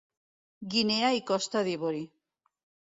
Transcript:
Guinea i Costa d'Ivori.